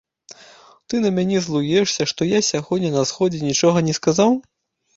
Ты на мяне злуешся, што я сягоння на сходзе нічога не сказаў?